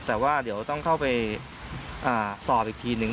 แต่ว่าเดี๋ยวต้องเข้าไปสอบอีกทีนึง